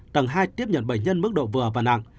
tầng hai tiếp nhận bệnh nhân mức độ vừa và nặng